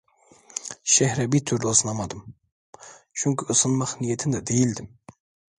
Şehre bir türlü ısınamadım, çünkü ısınmak niyetinde değildim.